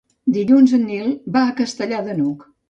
Dilluns en Nil va a Castellar de n'Hug.